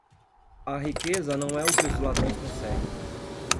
A riqueza não é o que os ladrões conseguem.